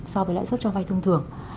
so với lãi suất cho vay thông thường